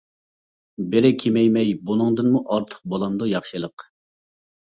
بىرى كېمەيمەي بۇنىڭدىنمۇ ئارتۇق بۇلامدۇ ياخشىلىق.